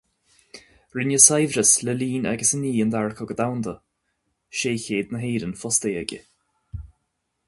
Rinne saibhreas le linn agus i ndiaidh an Dara Cogadh Domhanda, sé chéad na hÉireann fostaithe aige.